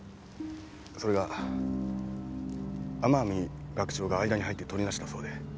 それが天海学長が間に入ってとりなしたそうで。